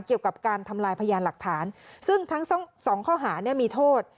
เกี่ยวกับการทำลายพยานหลักฐานซึ่งทั้งสองข้อหาเนี่ยมีโทษ